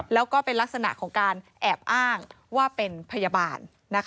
แล้วก็เป็นลักษณะของการแอบอ้างว่าเป็นพยาบาล